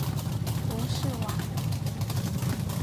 吴氏亡。